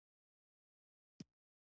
دعا مو وکړه.